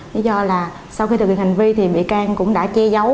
lý do là sau khi thực hiện hành vi thì bị can cũng đã che giấu